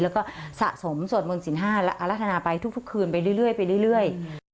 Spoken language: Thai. แล้วก็สะสมสวดมนต์สิน๕และอรรถนาไปทุกคืนไปเรื่อย